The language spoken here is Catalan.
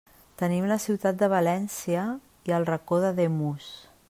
Tenim la ciutat de València i el Racó d'Ademús.